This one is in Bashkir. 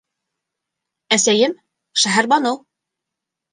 Әсәйем - Шәһәрбаныу.